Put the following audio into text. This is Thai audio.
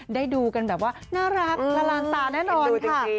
ได้ดูกันแบบว่าน่ารักละลานตาแน่นอนค่ะ